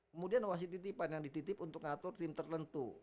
kemudian wasit titipan yang dititip untuk ngatur tim tertentu